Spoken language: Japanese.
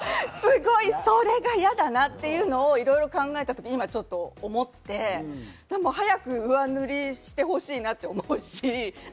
それが嫌だなというのを考えたときに今思って、早く上塗りしてほしいなと思うし。